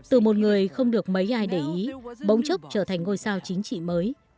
từ một người không được mấy ai để ý bỗng chốc trở thành ngôi sao chính trị mới